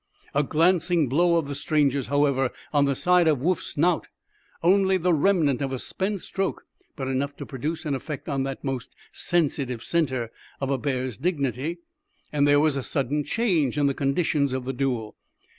A glancing blow of the stranger's, however, on the side of Woof's snout only the remnant of a spent stroke, but enough to produce an effect on that most sensitive center of a bear's dignity and there was a sudden change in the conditions of the duel.